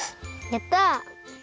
やった！